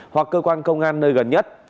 hoặc cơ quan công an nơi gần nhất